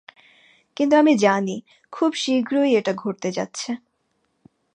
কিন্তু আমি জানি, খুব শীঘ্রই এটা ঘটতে যাচ্ছে।